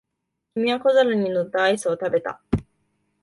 君は小皿に乗ったアイスを食べた。